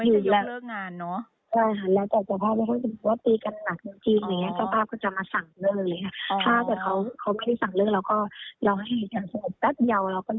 มีความหวัดคล่ายให้เราเรียบร้อย